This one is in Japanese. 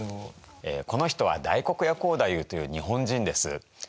この人は大黒屋光太夫という日本人です。